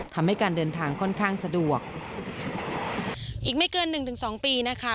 ทำให้การเดินทางค่อนข้างสะดวกอีกไม่เกินหนึ่งถึงสองปีนะคะ